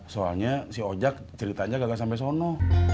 soalnya si ojak ceritanya gak sampe sono